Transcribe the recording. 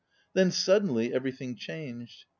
Then suddenly everything changed.